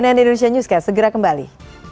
cnn indonesia newscast segera kembali